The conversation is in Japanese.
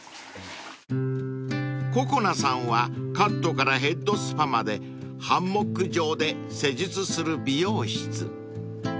［ＣＯＣＯＮＡさんはカットからヘッドスパまでハンモック上で施術する美容室］